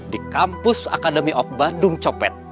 di kampus academy of bandung copet